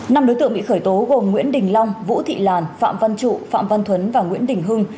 năm đối tượng bị khởi tố gồm nguyễn đình long vũ thị làn phạm văn trụ phạm văn thuấn và nguyễn đình hưng